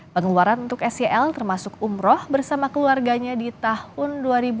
pengeluaran untuk sel termasuk umroh bersama keluarganya di tahun dua ribu dua puluh